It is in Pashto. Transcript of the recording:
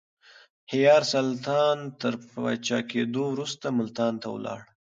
حيار سلطان تر پاچا کېدو وروسته ملتان ته ولاړ.